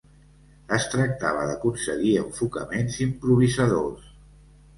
Es tractava d'aconseguir enfocaments improvisadors.